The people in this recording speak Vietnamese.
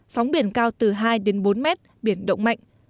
sóng biển cao từ hai đến bốn mét biển động mạnh